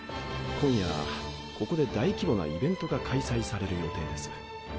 今夜ここで大規模なイベントが開催される予定です。